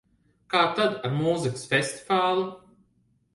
Kā tad ar mūzikas festivālu?